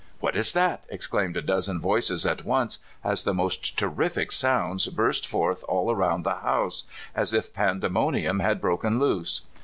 *'What is that?" exclaimed a dozen voices at once as the most terrific sounds burst forth all around the house, as if pandemonium had broken loose.